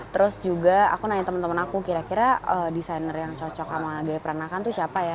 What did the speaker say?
terus juga aku nanya teman teman aku kira kira desainer yang cocok sama gaya peranakan tuh siapa ya